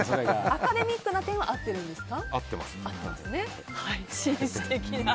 アカデミックな点は合っているんですか？